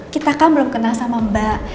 kita kan belum kenal sama mbak